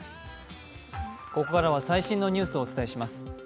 ここからは最新のニュースをお伝えします。